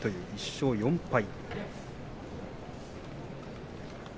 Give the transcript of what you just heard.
１勝４敗。